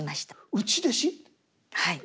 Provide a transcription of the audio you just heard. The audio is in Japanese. はい。